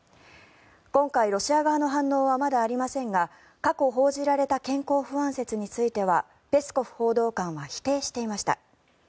今回、ロシア側の反応はまだありませんが過去報じられた健康不安説についてはペスコフ報道官は否定していました。